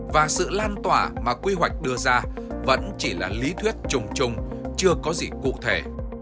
và sự lan tỏa mà quy hoạch đưa ra vẫn chỉ là lý thuyết chung chung chưa có gì cụ thể